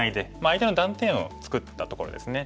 相手の断点を作ったところですね。